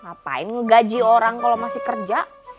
ngapain ngegaji orang kalau masih kerja